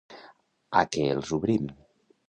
A què els obrim?